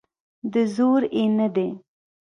د زور یې نه دی.